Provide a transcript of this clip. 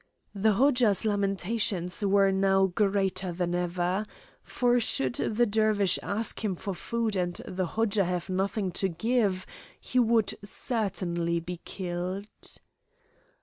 The Hodja's lamentations were now greater than ever; for should the Dervish ask him for food and the Hodja have nothing to give, he would certainly be killed.